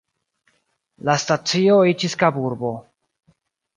La stacio iĝis Kaburbo.